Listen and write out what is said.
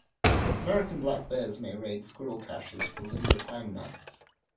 American black bears may raid squirrel caches for limber pine nuts.